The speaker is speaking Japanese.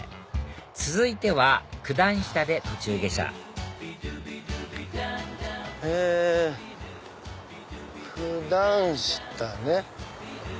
続いては九段下で途中下車え九段下ね。